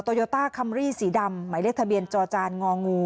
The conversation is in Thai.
โยต้าคัมรี่สีดำหมายเลขทะเบียนจอจานงองู